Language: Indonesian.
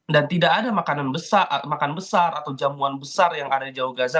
dan tidak ada makanan besar atau jamuan besar yang ada di jawa gaza